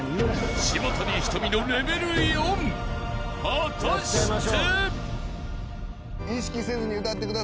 ［果たして？］